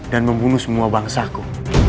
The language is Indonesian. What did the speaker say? dan membunuh semua bangsa aku